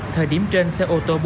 thời điểm trên xe ô tô